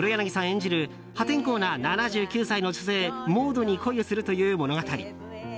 演じる破天荒な７９歳の女性モードに恋をするという物語。